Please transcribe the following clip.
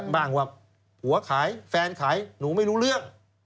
ว่าผัวขายแฟนขายหนูไม่รู้เรื่อง